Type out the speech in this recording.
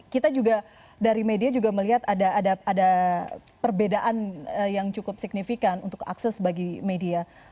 kita juga dari media juga melihat ada perbedaan yang cukup signifikan untuk akses bagi media